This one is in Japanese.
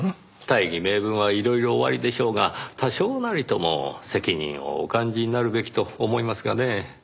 大義名分はいろいろおありでしょうが多少なりとも責任をお感じになるべきと思いますがねぇ。